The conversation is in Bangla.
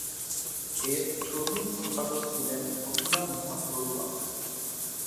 এর প্রথম সম্পাদক ছিলেন মথুরা মোহন বড়ুয়া।